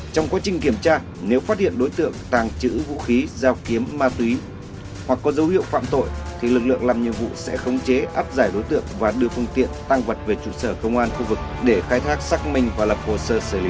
trong quá trình kiểm tra nếu phát hiện đối tượng tàng trữ vũ khí giao kiếm ma túy hoặc có dấu hiệu phạm tội thì lực lượng làm nhiệm vụ sẽ không chế áp giải đối tượng và đưa phương tiện tăng vật về trụ sở công an khu vực để khai thác xác minh và lập hồ sơ xử lý